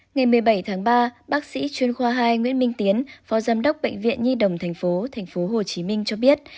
ngày một mươi bảy tháng ba bác sĩ chuyên khoa hai nguyễn minh tiến phó giám đốc bệnh viện nhi đồng tp hcm cho biết